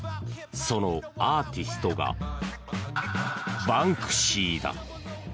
そのアーティストがバンクシーだ。